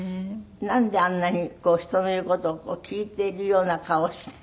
なんであんなに人の言う事を聞いているような顔をして。